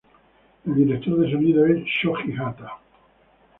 El director de sonido es Shoji Hata.